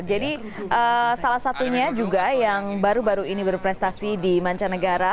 jadi salah satunya juga yang baru baru ini berprestasi di mancanegara